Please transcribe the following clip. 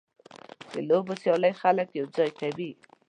د لوبو سیالۍ خلک یوځای کوي.